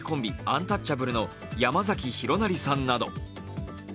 アンタッチャブルの山崎弘也さんなど。